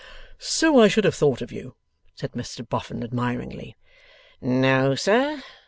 'So I should have thought of you!' said Mr Boffin, admiringly. 'No, sir.